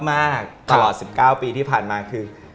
ตลอด๑๙ปีที่ผ่านมาคือ